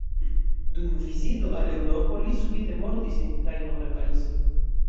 Dum vizito al Eŭropo li subite mortis en trajno al Parizo.